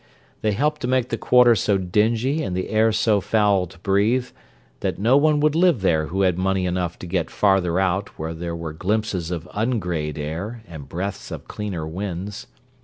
They helped to make the quarter so dingy and the air so foul to breathe that no one would live there who had money enough to get "farther out" where there were glimpses of ungrayed sky and breaths of cleaner winds.